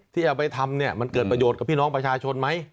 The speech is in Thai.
ที่เอาไปทำเนี่ยมันเกิดประโยชน์กับพี่น้องประชาชนไหม